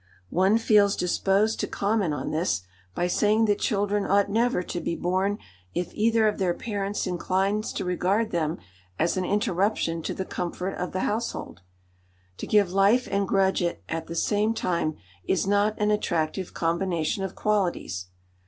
One feels disposed to comment on this by saying that children ought never to be born if either of their parents inclines to regard them "as an interruption to the comfort of the household." To give life and grudge it at the same time is not an attractive combination of qualities.